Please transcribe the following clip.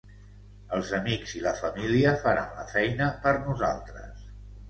Els amics i la família faran la feina per nosaltres.